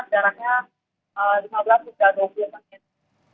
ya saya bisa beritahu